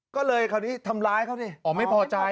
ก็เลยคราวนี้ทำร้ายเขาดิ